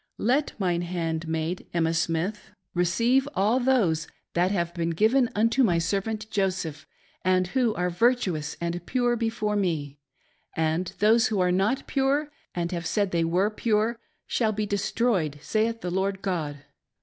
let mine handmaid, Emma Smith, receive all those 138 .'HOW TO TAKE EXTRA WIVES. ■■ that have been given unto my servant Joseph, and who are virtuous and pure before me ; and those who are not pure, and have said they were pure, shall be destroyed, saith the Lord God